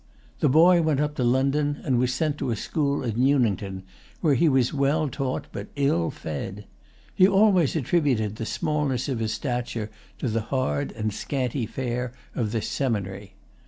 The boy went up to London, and was sent to a school at Newington, where he was well taught but ill fed. He always attributed the smallness of his stature to the hard and scanty fare of this seminary.